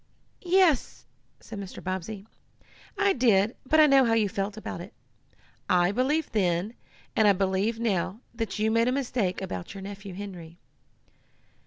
"Yes," said Mr. Bobbsey, "I did, but I know how you felt about it. I believed then, and I believe now, that you made a mistake about your nephew Henry."